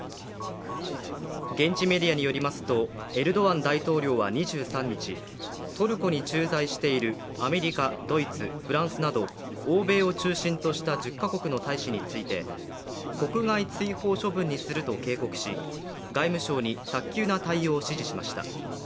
現地メディアによりますと、エルドアン大統領は２３日、トルコに駐在しているアメリカ、ドイツ、フランスなど欧米を中心とした１０カ国の大使について、国外追放処分にすると警告し、外務省に早急な対策を指示しました。